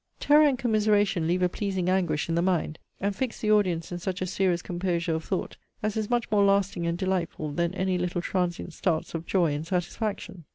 'Terror and commiseration leave a pleasing anguish in the mind, and fix the audience in such a serious composure of thought, as is much more lasting and delightful, than any little transient starts of joy and satisfaction.